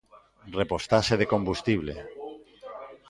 Repostaxe de combustible